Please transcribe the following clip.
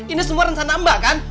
ini semua rencana mbak kan